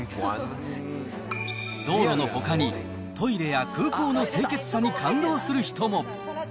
道路のほかにトイレや空港の清潔さに感動する人も。